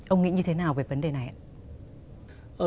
ông nghĩ như thế nào về vấn đề này ạ